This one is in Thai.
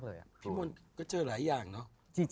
พี่ยังไม่ได้เลิกแต่พี่ยังไม่ได้เลิก